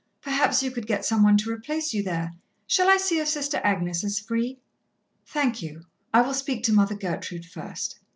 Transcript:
Perhaps you could get some one to replace you there. Shall I see if Sister Agnes is free?" "Thank you, I will speak to Mother Gertrude first."